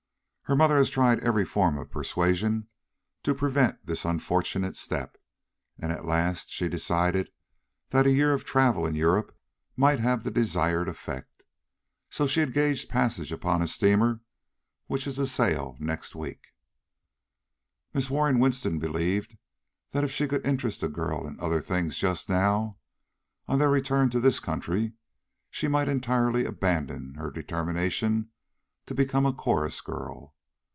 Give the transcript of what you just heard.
Her mother has tried every form of persuasion to prevent this unfortunate step, and at last she decided that a year of travel in Europe might have the desired effect, and so she engaged passage upon a steamer which is to sail next week. "Mrs. Waring Winston believed that if she could interest the girl in other things just now, on their return to this country she might entirely abandon her determination to become a chorus girl.